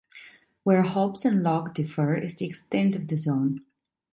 Where Hobbes and Locke differ is the extent of the zone.